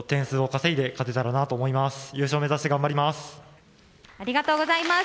優勝目指して頑張ります。